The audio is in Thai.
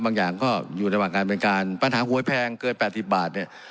บางอย่างก็อยู่ระหว่างการเป็นการปัญหาหวยแพงเกิน๘๐บาทเนี่ย